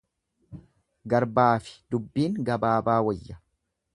Garbaafi dubbiin gabaabaa wayya.